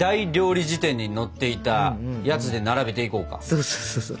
そうそうそうそう。